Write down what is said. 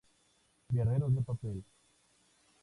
Guerreros de Papel